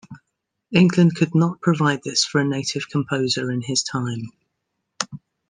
England could not provide this for a native composer in his time.